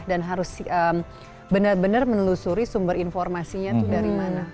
dan harus benar benar menelusuri sumber informasinya itu dari mana